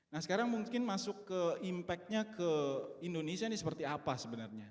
nah sekarang mungkin masuk ke impact nya ke indonesia ini seperti apa sebenarnya